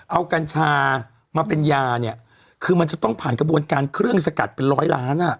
เอากัญชามาเป็นยาเนี่ยคือมันจะต้องผ่านกระบวนการเครื่องสกัดเป็นร้อยล้านอ่ะ